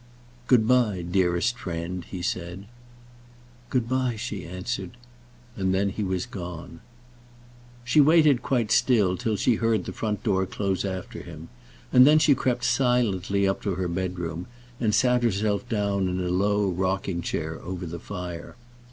"Good by, dearest friend," he said. "Good by," she answered, and then he was gone. She waited quite still till she heard the front door close after him, and then she crept silently up to her own bedroom, and sat herself down in a low rocking chair over the fire.